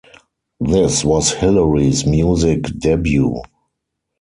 This was Hilary's music debut.